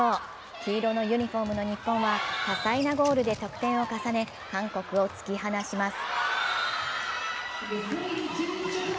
黄色のユニフォームの日本は多彩なゴールで得点を重ね、韓国を突き放します。